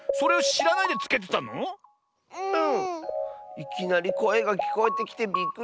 いきなりこえがきこえてきてびっくりしたッス。